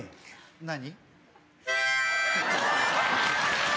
何？